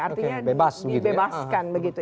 artinya dibebaskan begitu